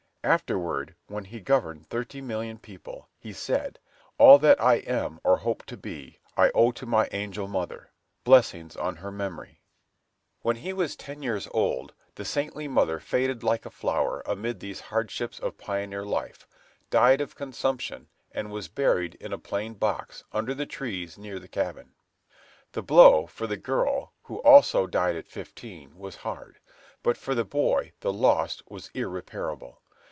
Afterward, when he governed thirty million people, he said, "All that I am or hope to be, I owe to my angel mother. Blessings on her memory!" [Illustration: ABRAHAM LINCOLN.] When he was ten years old, the saintly mother faded like a flower amid these hardships of pioneer life, died of consumption, and was buried in a plain box under the trees near the cabin. The blow for the girl, who also died at fifteen, was hard; but for the boy the loss was irreparable.